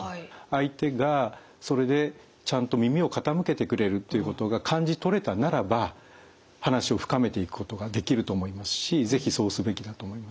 相手がそれでちゃんと耳を傾けてくれるということが感じ取れたならば話を深めていくことができると思いますし是非そうすべきだと思います。